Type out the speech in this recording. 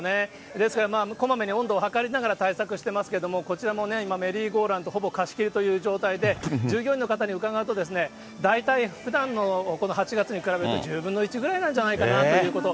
ですから、こまめに温度を測りながら対策してますけれども、こちらもメリーゴーラウンド、ほぼ貸し切りという状態で、従業員の方に伺うと、大体、ふだんのこの８月に比べると、１０分の１ぐらいなんじゃないかなということ。